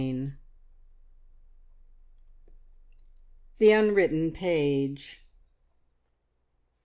THE UNWRITTEN PAGE.